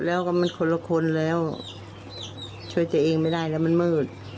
แล้วก็มันคนละคนแล้วช่วยตัวเองไม่ได้แล้วมันมืด